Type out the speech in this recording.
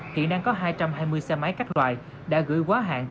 hiện đang có hai trăm hai mươi xe máy các loại đã gửi quá hạn